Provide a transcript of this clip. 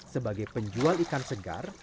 sebagai penjual ikan segar